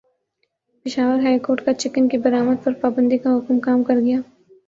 Peshawar high court کا chicken کی برآمد پر پابندی کا حکم کام کر گیا